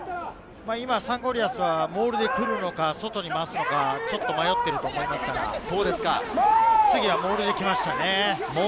サンゴリアスはモールでくるのか外に出すのか迷っていると思いますから、次はモールできましたね。